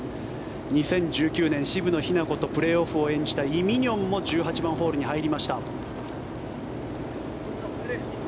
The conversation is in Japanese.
２０１９年渋野日向子とプレーオフを演じたイ・ミニョンも１８番ホールに入りました。